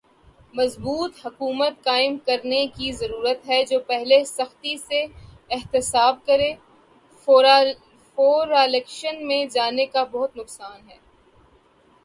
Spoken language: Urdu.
مضبوط حکومت قائم کرنے کی ضرورت ہے۔۔جو پہلے سختی سے احتساب کرے۔۔فورا الیکشن میں جانے کا بہت نقصان ہے۔۔